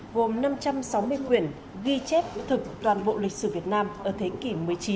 gồm năm trăm sáu mươi quyển ghi chép thực toàn bộ lịch sử việt nam ở thế kỷ một mươi chín